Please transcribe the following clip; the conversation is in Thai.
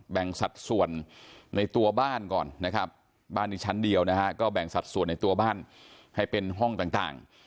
สัดส่วนในตัวบ้านก่อนนะครับบ้านนี้ชั้นเดียวนะฮะก็แบ่งสัดส่วนในตัวบ้านให้เป็นห้องต่าง